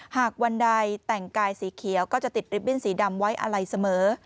หากวันใดแต่งกายสีเขียวก็จะติดริบบิ้นสีดำไว้อะไรเสมอ